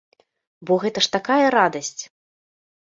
Бо гэта ж такая радасць!